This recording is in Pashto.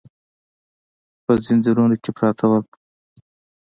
په ځنځیرونو کې پراته ول.